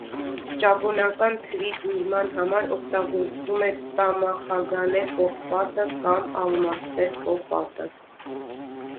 Ճապոնական թրի ձուլման համար օգտագործվում է տամախագանե պողպատը կամ ալմաստե պողպատը։